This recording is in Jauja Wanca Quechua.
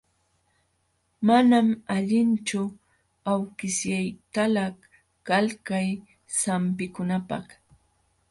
Manam allinchu awkishyaytalaq qalkay sampikunapaq.